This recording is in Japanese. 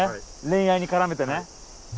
恋愛にからめてね。